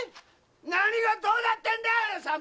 何がどうなってんだよ！